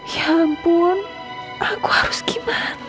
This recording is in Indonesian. ya ampun aku harus gimana